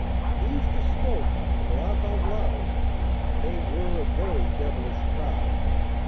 They used to smoke (!) and laugh out loud (!) They were a very devilish crowd!